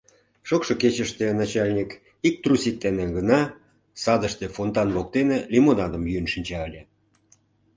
Шокшо кечыште начальник ик трусик дене гына садыште, фонтан воктене лимонадым йӱын шинча ыле.